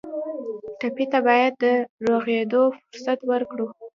ټپي ته باید د روغېدو فرصت ورکړو.